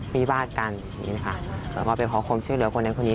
มีวาดกันอย่างนี้นะคะแล้วก็ไปขอความช่วยเหลือคนนั้นคนนี้